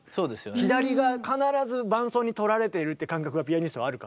左が必ず伴奏に取られているって感覚がピアニストはあるから。